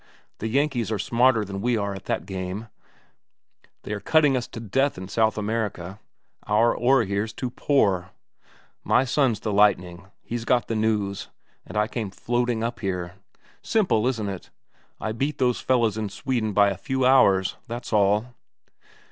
The Yankees are smarter than we are at that game; they are cutting us to death in South America our ore here's too poor. My son's the lightning; he got the news, and I came floating up here. Simple, isn't it? I beat those fellows in Sweden by a few hours, that's all."